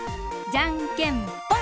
じゃんけんぽん！